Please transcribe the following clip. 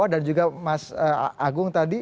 dan juga mas agung tadi